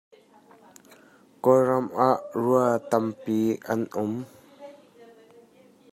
Kawlram ah rua tampi an um.